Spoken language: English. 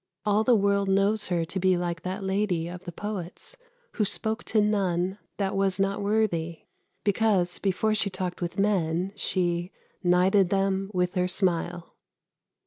All the world knows her to be like that lady of the poets who spoke to none that was not worthy, because before she talked with men she 'knighted them with her smile.'